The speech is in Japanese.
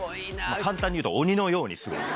簡単に言うと鬼のようにすごいです。